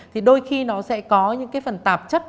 thì đôi khi nó sẽ có những cái phần tạp chất